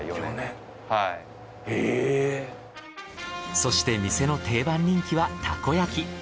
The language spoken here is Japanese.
そして店の定番人気はたこ焼き。